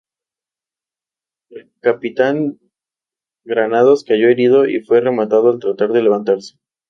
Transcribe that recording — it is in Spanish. El capitán Granados cayó herido y fue rematado al tratar de levantarse.